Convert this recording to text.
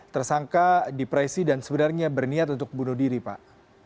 tersangka depresi dan sebenarnya berniat untuk bunuh diri pak